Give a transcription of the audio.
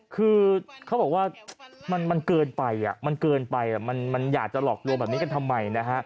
คือเขาบอกว่ามันเกินไปมันอยากจะหลอกตัวแบบนี้กันทำไม